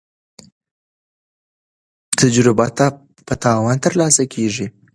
تجربه په تاوان ترلاسه کیږي.